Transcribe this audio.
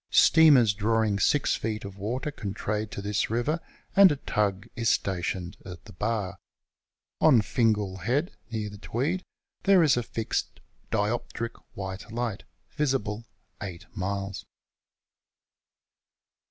Steamers drawing 6 feet of water can trode to this river, and a tug is stationed at the bar. On Eingal Head, near the Tweed, there is a fixed dioptric white ligbt, visible 8 miles.